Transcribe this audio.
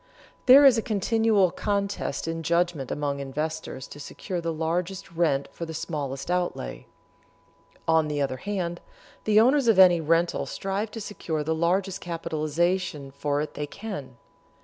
There is a continual contest in judgment among investors to secure the largest rent for the smallest outlay. On the other hand, the owners of any rental strive to secure the largest capitalization for it that they can.